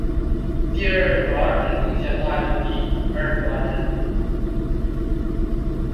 第二指爪明显大于第二指爪。